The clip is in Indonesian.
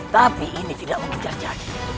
tapi ini tidak mungkin terjadi